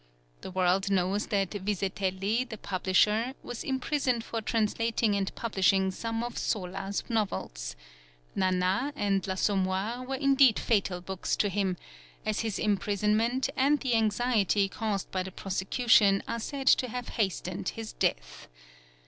The world knows that Vizetelly, the publisher, was imprisoned for translating and publishing some of Zola's novels. Nana and L'Assommoir were indeed fatal books to him, as his imprisonment and the anxiety caused by the prosecution are said to have hastened his death.